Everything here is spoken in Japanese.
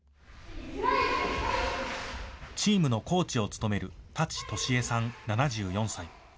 チームのコーチを務める多智利枝さん、７４歳。